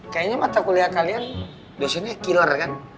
kayaknya mata kuliah kalian biasanya killer kan